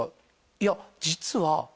「いや実は」